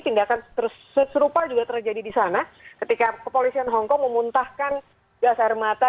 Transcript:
tindakan serupa juga terjadi di sana ketika kepolisian hongkong memuntahkan gas air mata